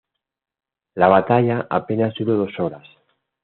La batalla apenas duró dos horas.